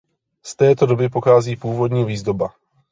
Z této doby pochází původní výzdoba.